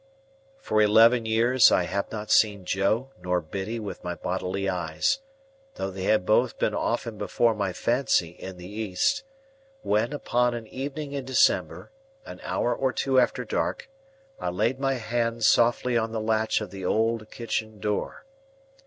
For eleven years, I had not seen Joe nor Biddy with my bodily eyes,—though they had both been often before my fancy in the East,—when, upon an evening in December, an hour or two after dark, I laid my hand softly on the latch of the old kitchen door.